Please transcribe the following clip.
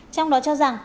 trong đó cho rằng